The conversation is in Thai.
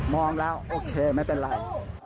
มองแล้วโอเคไม่เป็นไร